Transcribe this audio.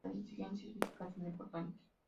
Las exigencias físicas son importantes.